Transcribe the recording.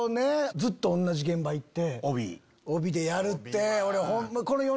ずっと同じ現場行って帯でやるって。